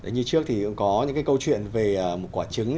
như trước thì cũng có những câu chuyện về một quả trứng